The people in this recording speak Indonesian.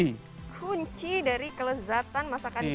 kunci dari kelezatan masakan ini